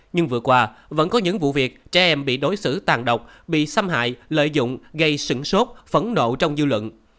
nhưng vừa qua vẫn có những vụ việc trẻ em bị đối xử tàn độc bị xâm hại lợi dụng gây sừng sốt phẫn nộ trong dư luận